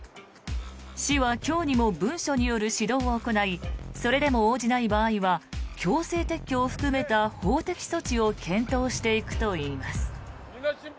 市は今日にも文書による指導を行いそれでも応じない場合は強制撤去を含めた法的措置を検討していくといいます。